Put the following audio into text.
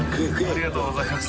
ありがとうございます。